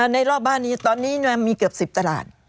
รอบบ้านนี้ตอนนี้มีเกือบ๑๐ตลาด